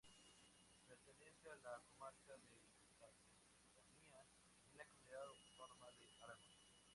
Pertenece a la comarca del Jacetania, en la comunidad autónoma de Aragón.